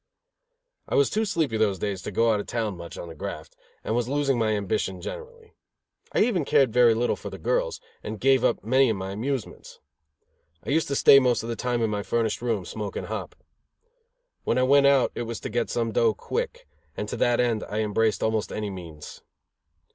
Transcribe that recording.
I was too sleepy those days to go out of town much on the graft; and was losing my ambition generally. I even cared very little for the girls, and gave up many of my amusements. I used to stay most of the time in my furnished room, smoking hop. When I went out it was to get some dough quick, and to that end I embraced almost any means.